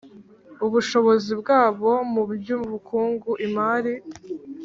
ubushobozi bwabo mu by ubukungu imari